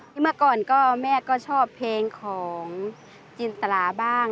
เมื่อก่อนก็แม่ก็ชอบเพลงของจินตราบ้าง